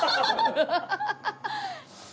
アハハハ！